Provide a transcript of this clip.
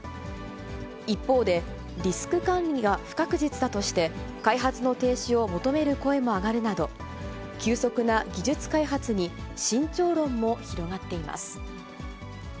一方で、リスク管理が不確実だとして、開発の停止を求める声も上がるなど、急速な技術開発に慎重論も広がっています。